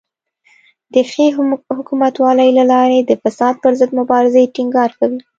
د ښې حکومتولۍ له لارې د فساد پر ضد مبارزې ټینګار کوي.